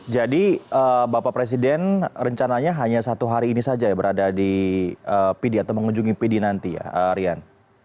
jadi bapak presiden rencananya hanya satu hari ini saja ya berada di pidi atau mengunjungi pidi nanti ya rian